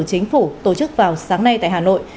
chính phủ tổ chức vào sáng nay tại hà nội